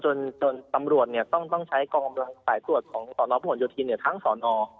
จนจนตำรวจเนี่ยต้องต้องใช้กองกำลังสายตรวจของสอนอพหลยศีลเนี่ยทั้งสอนอ